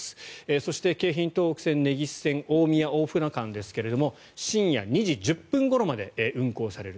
そして京浜東北・根岸線大宮大船間ですが深夜２時１０分ごろまで運行される。